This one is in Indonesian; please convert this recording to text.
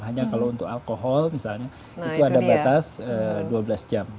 hanya kalau untuk alkohol misalnya itu ada batas dua belas jam